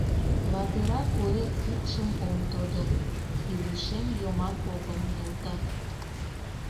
Ладыра куэ укшым ом тодыл, Илышем йомак огыл йылтак.